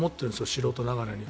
素人ながらに。